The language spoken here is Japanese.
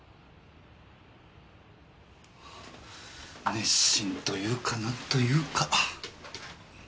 熱心というかなんというか。